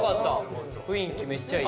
雰囲気めっちゃいい。